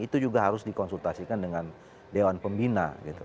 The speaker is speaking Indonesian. itu juga harus dikonsultasikan dengan dewan pembina